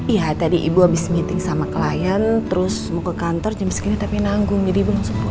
iya tadi ibu habis meeting sama klien terus mau ke kantor jam segini tapi nanggung jadi ibu langsung